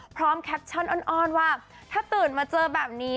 พร้อมแคบท์ชันอ้อนอ่อนว่าถ้าตื่นมาเจอแบบนี้